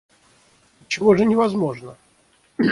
Отчего же невозможно?